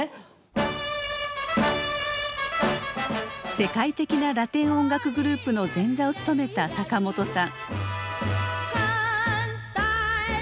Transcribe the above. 世界的なラテン音楽グループの前座を務めた坂本さん。